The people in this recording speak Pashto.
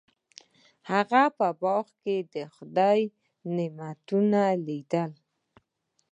هغه په باغ کې د خدای نعمتونه لیدل.